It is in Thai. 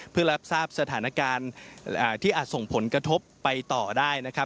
เพื่อรับทราบสถานการณ์ที่อาจส่งผลกระทบไปต่อได้นะครับ